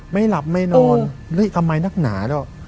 ไม่หลับไม่นอนรี๊ดทำไมนักหนาด้วย